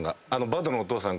バドのお父さん。